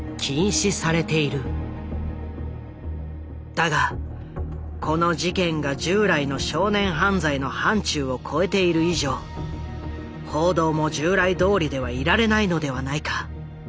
だがこの事件が従来の少年犯罪の範疇を超えている以上報道も従来どおりではいられないのではないか？